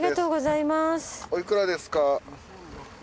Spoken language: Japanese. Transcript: おいくらですか？